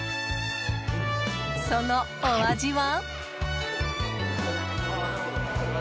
そのお味は？